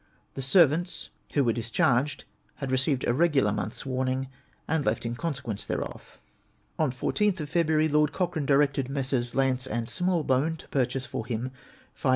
The servants, who were discharged, had received a regular month's warning, and left in consequence thereof. On II , Lord Cochrane directed Messrs. Lance and Smallbone to purchase for him 5000